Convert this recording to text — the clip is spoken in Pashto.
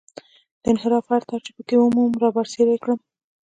د انحراف هر تار چې په کې ومومم رابرسېره یې کړم.